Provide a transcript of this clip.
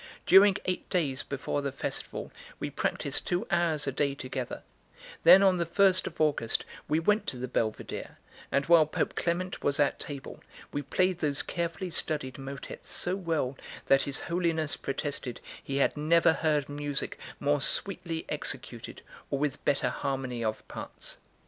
During eight days before the festival we practised two hours a day together; then on the first of August we went to the Belvedere, and while Pope Clement was at table, we played those carefully studied motets so well that his Holiness protested he had never heard music more sweetly executed or with better harmony of parts.